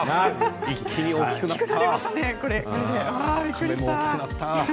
一気に大きくなった。